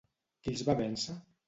Qui els va vèncer?